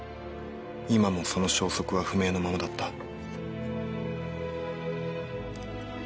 今もその消息は不明のままだった。